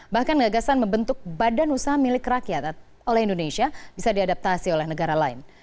bahkan gagasan membentuk badan usaha milik rakyat oleh indonesia bisa diadaptasi oleh negara lain